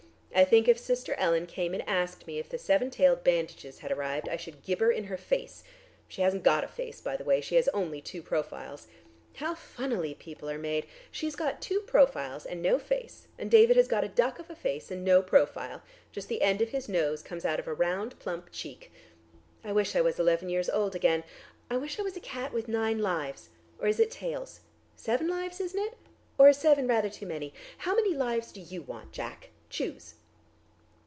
I think if Sister Ellen came and asked me if the seven tailed bandages had arrived, I should gibber in her face. She hasn't got a face, by the way, she has only two profiles. How funnily people are made! She's got two profiles and no face, and David has got a duck of a face and no profile: just the end of his nose comes out of a round, plump cheek. I wish I was eleven years old again. I wish I was a cat with nine lives, or is it tails? Seven lives, isn't it? Or is seven rather too many? How many lives do you want, Jack? Choose!"